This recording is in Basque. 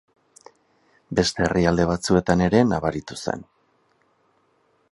Beste herrialde batzuetan ere nabaritu zen.